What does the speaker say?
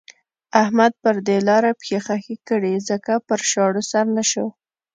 احمد پر دې لاره پښې خښې کړې ځکه پر شاړو سر نه شو.